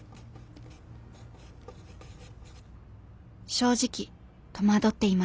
「正直戸惑っています。